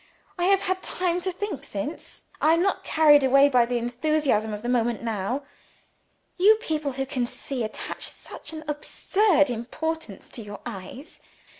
I have had time to think since; I am not carried away by the enthusiasm of the moment now. You people who can see attach such an absurd importance to your eyes!